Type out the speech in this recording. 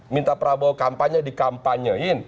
minta prabowo kampanye dikampanyekin